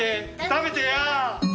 食べてや！